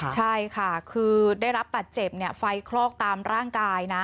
ใช่ค่ะคือได้รับปัดเจ็บไฟคลอกตามร่างกายนะ